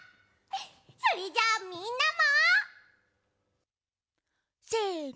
それじゃみんなも！せの！